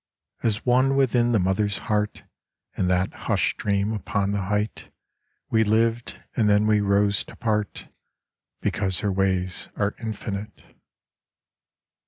As one within the Mother's heart In that hushed dream upon the height We lived, and then we rose to part, Because her ways are infinite.